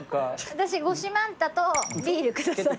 私ゴシマンタとビール下さい。